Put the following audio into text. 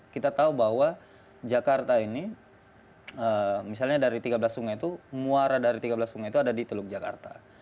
kita tahu bahwa jakarta ini misalnya dari tiga belas sungai itu muara dari tiga belas sungai itu ada di teluk jakarta